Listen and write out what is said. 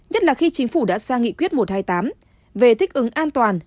nhất là khi chính phủ đã sang nghị quyết một trăm hai mươi tám về thích ứng an toàn